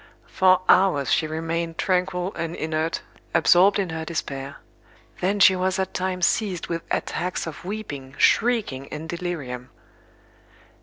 For hours she remained tranquil and inert, absorbed in her despair; then she was at times seized with attacks of weeping, shrieking and delirium.